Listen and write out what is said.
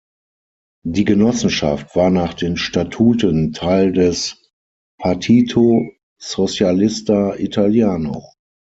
Die Genossenschaft war nach den Statuten Teil des Partito Socialista Italiano.